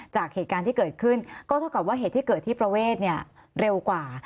จากเหตุการณ์ที่เกิดขึ้นก็เท่ากับว่าเหตุที่เกิดที่ประเวทเนี่ยเร็วกว่า